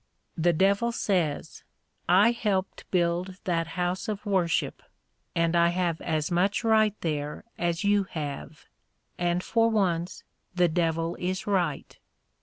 The devil says: "I helped build that house of worship, and I have as much right there as you have;" and for once the devil is right.